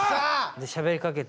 でしゃべりかけて。